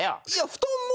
布団も。